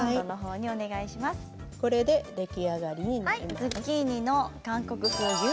これで出来上がりです。